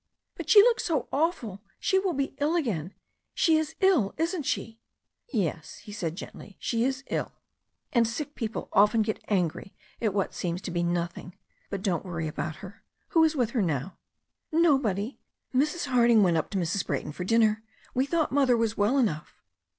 "But she looked so awful. She will be ill again — she is iU, isn't she?" "Yes," he said gently, "she is still ill, and sick people I 100 THE STORY OF A NEW ZEALAND BIVEE often get angry at what seems to be nothing. But don't worry about her. Who is with her now?*' "Nobody. Mrs. Harding went up to Mrs. Brayton for dinner. We thought Mother was well enough."